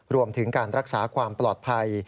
รวมถึงการรักษาความปลอดภัย